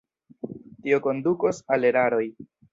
Tio kondukos al eraroj.